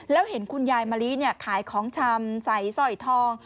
แล้วเห็นคุณยายมะลิขายของชำใส่สร้อยทอง